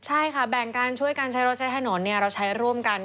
ใช่ค่ะแบ่งการช่วยการใช้รถใช้ถนนเราใช้ร่วมกัน